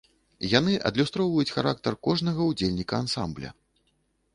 Яны адлюстроўваюць характар кожнага ўдзельніка ансамбля.